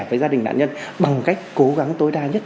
với gia đình nạn nhân bằng cách cố gắng tối đa nhất